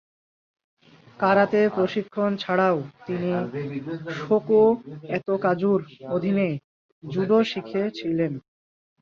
Karate প্রশিক্ষণ ছাড়াও তিনি শোকো ইতোকাজুর অধীনে জুডো শিখেছিলেন।